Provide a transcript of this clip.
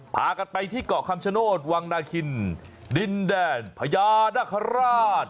พากันไปที่เกาะคำชโนธวังนาคินดินแดนพญานคราช